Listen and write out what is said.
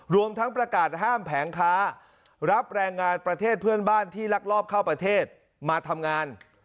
รวมทั้งประกาศห้ามแผงค้ารับแรงงานประเทศเพื่อนบ้านที่ลักลอบเข้าประเทศมาทำงาน